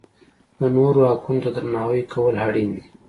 د نورو حقونو ته درناوی کول اړین دي.